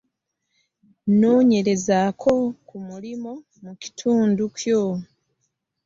Noonyezaako ku mulimu mu kitundu kyo.